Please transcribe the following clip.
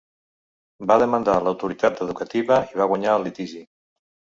Va demandar l'autoritat educativa i va guanyar el litigi.